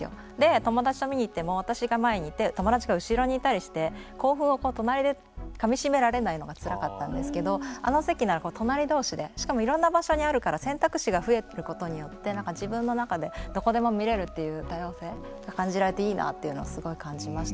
友達と見に行っても友達が前にいて友達が後ろにいたりして興奮をとなりでかみしめられないのがつらかったんですけどあの席なら隣どうしでしかも、いろんな場所にあるから選択肢が増えることによって自分の中でどこでも見れるという多様性が感じられてすごくいいなと感じました。